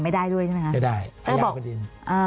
ไม่ได้ด้วยใช่ไหมคะ